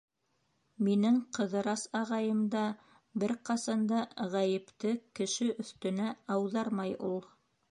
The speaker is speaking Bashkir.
Минең Ҡыҙырас ағайым да бер ҡасан да ғәйепте кеше өҫтөнә ауҙармай ул.